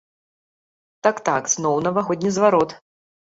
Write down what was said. Так-так, зноў навагодні зварот.